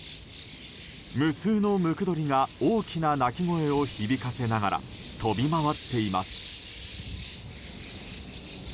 無数のムクドリが大きな鳴き声を響かせながら飛び回っています。